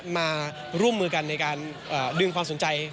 มาร่วมมือกันในการดึงความสนใจ